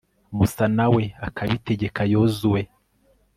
musa na we akabitegeka yozuwe